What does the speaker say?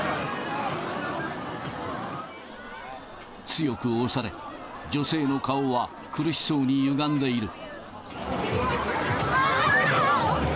強く押され、女性の顔は苦しそうにゆがんでいる。